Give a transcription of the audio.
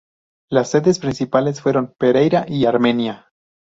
Las sedes principales fueron Pereira y Armenia.